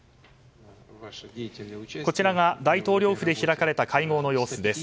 こちらが大統領府で開かれた会合の様子です。